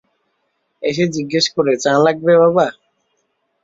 এসে জিজ্ঞেস করে, চা লাগবে বাবা?